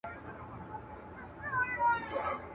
په زګېروي مي له زلمیو شپو بېلېږم.